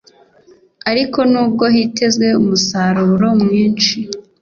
Ariko nubwo hitezwe umusaruro mwinshi